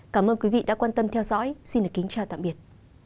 cảm ơn quý vị đã quan tâm theo dõi xin kính chào tạm biệt